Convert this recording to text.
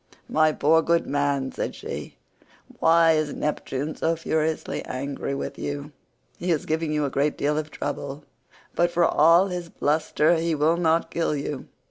"My poor good man," said she, "why is Neptune so furiously angry with you? He is giving you a great deal of trouble, but for all his bluster he will not kill you.